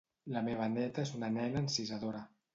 La meva neta és una nena encisadora